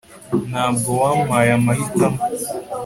ntabwo bampaye amahitamo